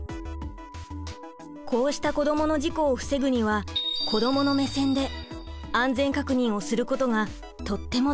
こうした子どもの事故を防ぐには子どもの目線で安全確認をすることがとっても大切なんです！